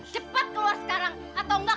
cepat keluar sekarang atau enggak kamu akan nyesel